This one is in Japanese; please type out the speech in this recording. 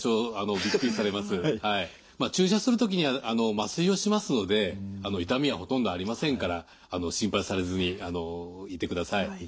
注射する時には麻酔をしますので痛みはほとんどありませんから心配されずにいてください。